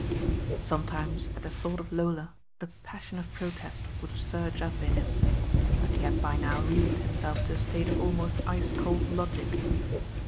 Sometime, at the thought of Lola a passion of protest would surge up in him; but he had by now reasoned himself to a state of almost ice<old logic.